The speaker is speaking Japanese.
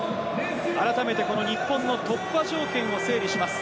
改めて日本の突破条件を整理します。